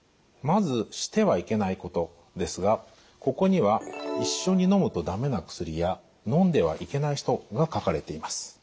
まず「してはいけないこと」ですがここには一緒にのむとだめな薬やのんではいけない人が書かれています。